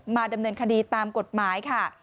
ดำเนินคดีตามกฎหมายค่ะ